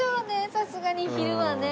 さすがに昼はね。